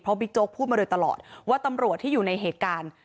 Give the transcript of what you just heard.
บิ๊กโจ๊กพูดมาโดยตลอดว่าตำรวจที่อยู่ในเหตุการณ์